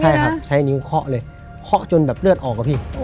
ใช่ครับใช้นิ้วเคาะเลยเคาะจนแบบเลือดออกอะพี่